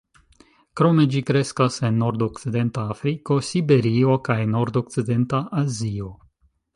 Krome ĝi kreskas en nordokcidenta Afriko, Siberio kaj nordokcidenta Azio.